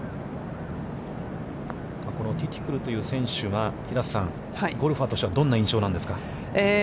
このティティクルという選手が、平瀬さん、ゴルファーとしてはどんな印象なんですか。